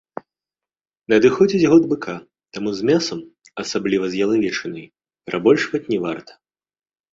Надыходзіць год быка, таму з мясам, асабліва з ялавічынай, перабольшваць не варта.